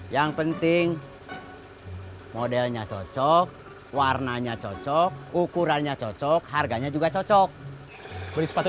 yang penting modelnya cocok warnanya cocok dan berbeda beda ya kan